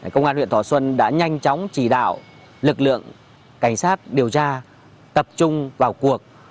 công an huyện thọ xuân đã nhanh chóng chỉ đạo lực lượng cảnh sát điều tra tập trung vào cuộc